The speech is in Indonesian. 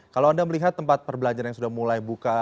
kalau anda melihat tempat perbelanjaan yang sudah mulai buka